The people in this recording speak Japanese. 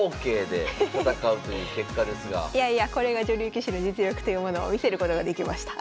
いやいやこれが女流棋士の実力というものを見せることができました。